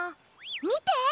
みて！